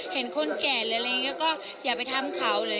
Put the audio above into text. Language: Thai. เห็นคนแก่อยากไปทำเขา